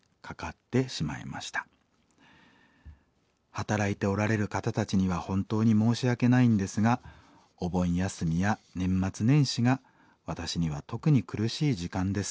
働いておられる方たちには本当に申し訳ないんですがお盆休みや年末年始が私には特に苦しい時間です。